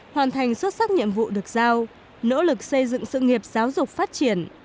hoàn thành xuất sắc nhiệm vụ được giao nỗ lực xây dựng sự nghiệp giáo dục phát triển